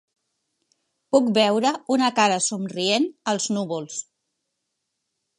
Puc veure una cara somrient als núvols.